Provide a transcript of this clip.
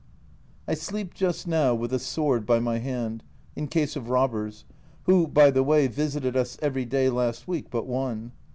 I sleep just now with a sword by my hand, in case of robbers, who, by the way, visited us every day last week but one.